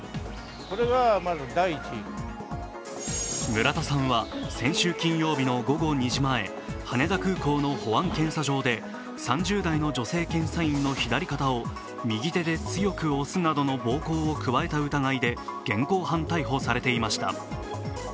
村田さんは先週金曜日の午後２時前、羽田空港の保安検査場で３０代の女性検査員の左肩を右手で強く押すなど暴行を加えた疑いで現行犯逮捕されていました。